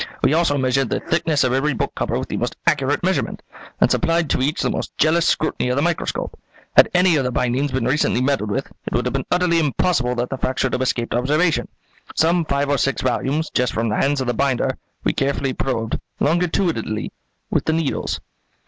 We also measured the thickness of every book cover with the most accurate measurement, and applied to each the most jealous scrutiny of the microscope. Had any of the bindings been recently meddled with, it would have been utterly impossible that the fact should have escaped observation. Some five or six volumes, just from the hands of the binder, we carefully probed, longitudinally, with the needles."